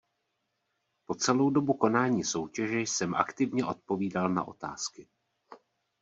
Po celou dobu konání soutěže jsem aktivně odpovídal na otázky.